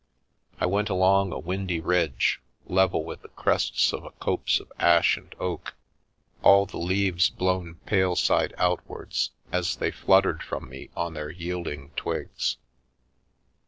I went along a windy ridge, level with the crests of a copse of ash and oak, all the leaves blown pale side out wards, as they fluttered from me on their yielding twigs.